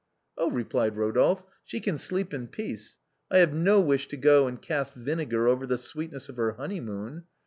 " Oh," replied Kodolphe, " she can sleep in peace, I have no wish to go and cast vinegar over the sweetness of her honeymoon.